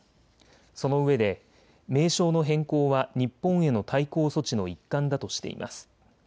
そのうえで名称の変更は日本への対抗措置の一環だとしています。